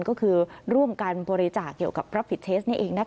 ก็คือร่วมกันบริจาคเกี่ยวกับรับผิดเทสนี่เอง